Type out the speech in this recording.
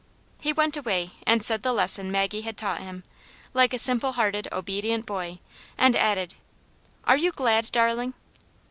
He went away and said the lesson Maggie had taught him, like a simple hearted, obedient boy; and added, "Are you glad, darling